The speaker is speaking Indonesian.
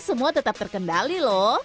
oh tetap terkendali lho